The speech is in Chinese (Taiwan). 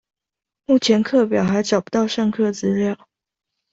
目前課表還找不到上課資料